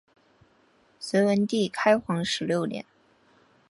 隋文帝开皇十六年。